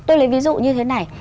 tôi lấy ví dụ như thế này